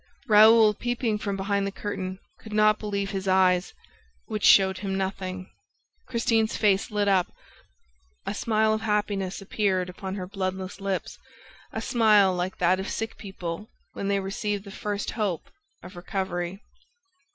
Raoul, peeping from behind the curtain, could not believe his eyes, which showed him nothing. Christine's face lit up. A smile of happiness appeared upon her bloodless lips, a smile like that of sick people when they receive the first hope of recovery.